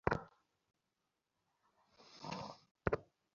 ঘণ্টা বাজলো, সবাই প্রস্তুত হয়ে বসল।